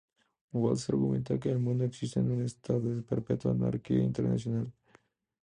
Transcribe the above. Waltz argumenta que el mundo existe en un estado de perpetua anarquía internacional.